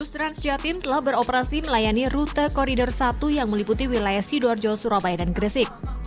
bus transjatim telah beroperasi melayani rute koridor satu yang meliputi wilayah sidoarjo surabaya dan gresik